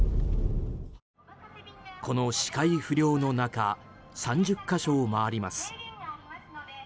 この視界不良の中３０か所を回ります。